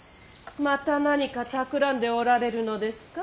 また何かたくらんでおられるのですか。